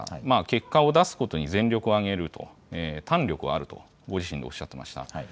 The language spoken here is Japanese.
結果を出すことに全力を挙げると、胆力はあると、ご自身でおっしゃってました。